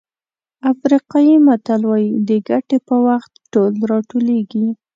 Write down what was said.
افریقایي متل وایي د ګټې په وخت ټول راټولېږي.